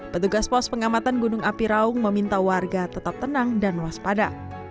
petugas pos pengamatan gunung api raung meminta warga tetap tenang dan waspada